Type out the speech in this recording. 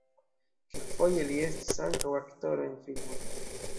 Kelkfoje li estis ankaŭ aktoro en filmoj.